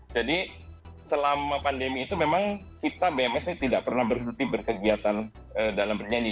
jadi selama pandemi itu memang kita bms ini tidak pernah berhenti berkegiatan dalam bernyanyi